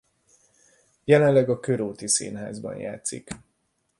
Jelenleg a Körúti Színházban játszik.